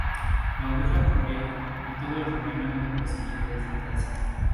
La oveja corría, y todo el "rebaño" de perseguidores detrás.